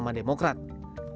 dan membuatnya lebih berguna